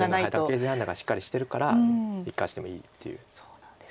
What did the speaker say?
形勢判断がしっかりしてるから生かしてもいいっていう。